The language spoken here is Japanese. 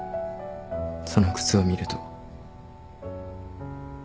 その靴を見ると。